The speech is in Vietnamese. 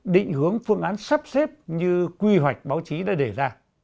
định hướng phương án sắp xếp như quy hoạch báo chí đã đề ra